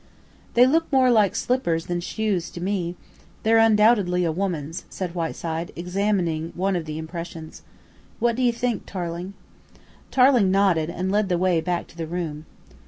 "They look more like slippers than shoes to me. They're undoubtedly a woman's," said Whiteside, examining one of the impressions. "What do you think, Tarling?" Tarling nodded and led the way back to the room.